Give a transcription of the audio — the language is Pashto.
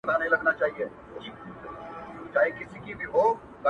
o چي په ليدو د ځان هر وخت راته خوښـي راكوي؛